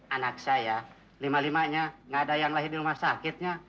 anak saya lima limanya gak ada yang lahir di rumah sakitnya